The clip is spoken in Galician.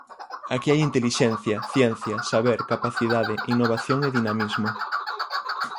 Aquí hai intelixencia, ciencia, saber, capacidade, innovación e dinamismo.